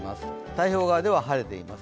太平洋側では晴れています。